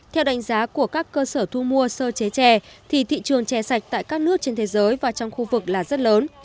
theo đánh giá của các cơ sở thu mua sơ chế trè thì thị trường chè sạch tại các nước trên thế giới và trong khu vực là rất lớn